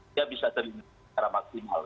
dia bisa terhindar secara maksimal